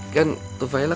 kan tufaila kan anak beduk